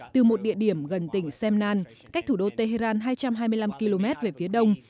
từ một địa điểm gần tỉnh seman cách thủ đô tehran hai trăm hai mươi năm km về phía đông